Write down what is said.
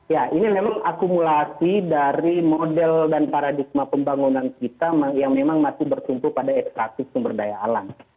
ya ini memang akumulasi dari model dan paradigma pembangunan kita yang memang masih bertumpu pada ekstraktif sumber daya alam